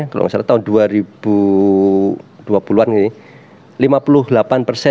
kalau nggak salah tahun dua ribu dua puluh an ini